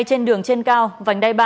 trên đường trên cao vành đai ba